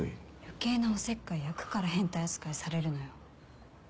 余計なおせっかい焼くから変態扱いされるのよ。